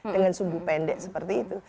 dengan sumbu pendek seperti itu